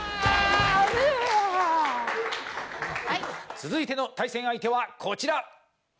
続いての対戦相手はこちら。